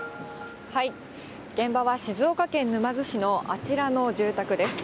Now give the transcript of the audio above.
現場は静岡県沼津市のあちらの住宅です。